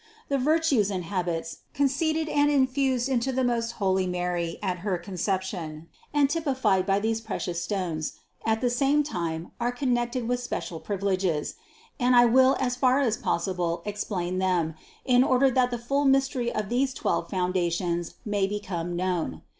The virtues and habits, conceded and infused into the most holy Mary at her Conception and typified by these precious stones, at the same time are connected with special privileges, and I will as far as possible, explain them, in order that the full mystery of these twelve foundations may become known.